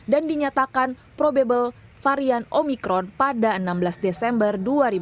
dan dinyatakan probable varian omikron pada enam belas desember dua ribu dua puluh satu